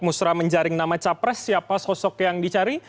musra menjaring nama capres siapa sosok yang dicari